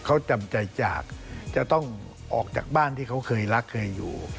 เขาจำใจจากจะต้องออกจากบ้านที่เขาเคยรักเคยอยู่